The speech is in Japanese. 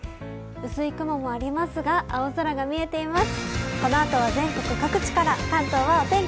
薄い雲もありますが青空が見えています。